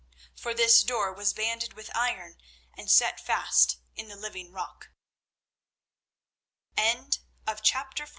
For this door was banded with iron and set fast in the living rock. Chapter XV.